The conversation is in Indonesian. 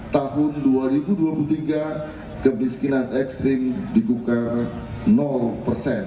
tahun dua ribu dua puluh tiga kemiskinan ekstrim dibuka persen